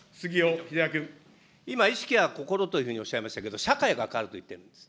今、意識や心とおっしゃいましたけど、社会が変わると言っているんです。